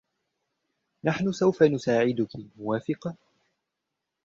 نحنُ سوفَ نُساعدكِ, موافقة ؟